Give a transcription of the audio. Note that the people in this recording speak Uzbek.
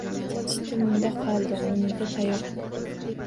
Chiti munda qoldi, munida — tayoq.